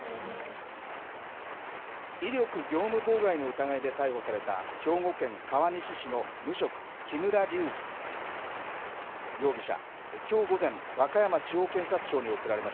威力業務妨害の疑いで逮捕された、兵庫県川西市の無職、木村隆二容疑者。